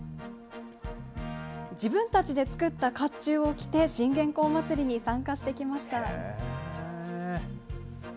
自分たちで作ったかっちゅうを着て、信玄公祭りに参加してきました。